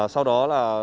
sau đó là